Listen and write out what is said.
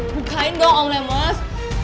bukain dong om lemos